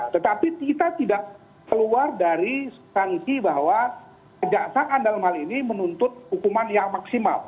tetapi kita tidak keluar dari sanksi bahwa kejaksaan dalam hal ini menuntut hukuman yang maksimal